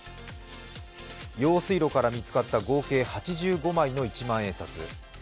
用水路から見つかった合計８５枚の一万円札。